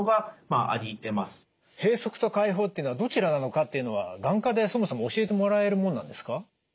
閉塞と解放というのはどちらなのかっていうのは眼科でそもそも教えてもらえるもんなんですか？